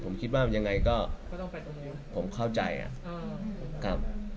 ผมคิดว่ายังไงก็ผมเข้าใจอ่ะ